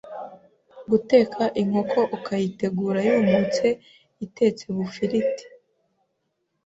Guteka inkoko ukayitegura yumutse itetse bufiriti,